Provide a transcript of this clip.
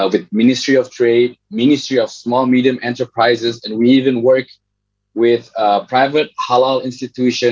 dengan perusahaan keperluan perusahaan kecil dan sederhana dan kita bahkan bekerja dengan institusi halal